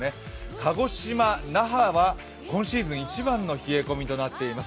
鹿児島、那覇は今シーズン一番の冷え込みとなっています。